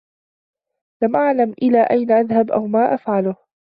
لم أعلم إلى أين أذهب أو ما أفعله.